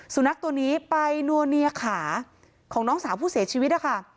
สุนัขตัวนี้ไปนัวเนียขาของน้องสาวผู้เสียชีวิตนะคะ